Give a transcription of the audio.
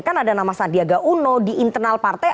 kan ada nama sandiaga uno di internal partai